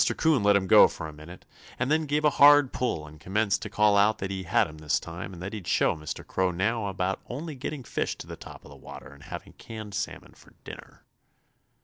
'Coon let him go for a minute and then gave a hard pull and commenced to call out that he had him this time and that he'd show Mr. Crow now about only getting fish to the top of the water and having canned salmon for dinner.